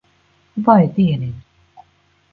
Vai dieniņ.